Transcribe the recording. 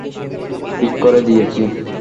ঠিক করে দিয়েছি।